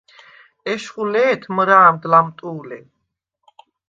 ეშხუ ლე̄თ მჷრა̄მდ ლამტუ̄ლე.